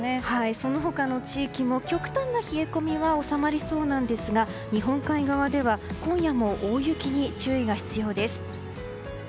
その他の地域も、極端な冷え込みは収まりそうなんですが日本海側では今夜も大雪に注意が必要です。